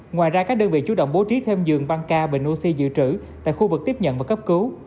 ngoài ra các đơn vị chú động bố trí thêm giường băng ca bình oxy dự trữ tại khu vực tiếp nhận và cấp cứu